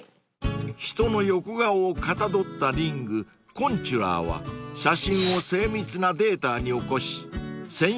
［人の横顔をかたどったリングコンチュラは写真を精密なデータに起こし専用の機械で削り出します］